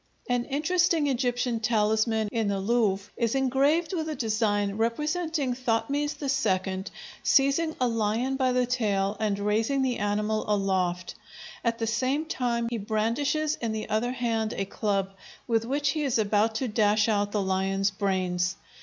An interesting Egyptian talisman in the Louvre is engraved with a design representing Thothmes II seizing a lion by the tail and raising the animal aloft; at the same time he brandishes in the other hand a club, with which he is about to dash out the lion's brains.